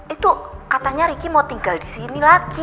itu katanya ricky mau tinggal disini lagi